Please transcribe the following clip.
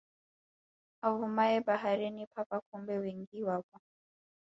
Avumaye baharini papa kumbe wengi wapo